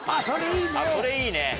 それいいね！